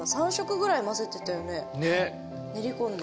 練り込んで？